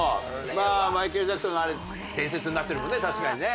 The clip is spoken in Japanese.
まあマイケル・ジャクソンのあれ伝説になってるもんね